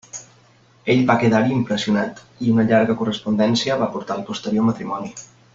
Ell va quedar-hi impressionat, i una llarga correspondència va portar al posterior matrimoni.